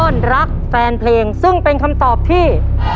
อนรักแฟนเพลงซึ่งเป็นคำตอบที่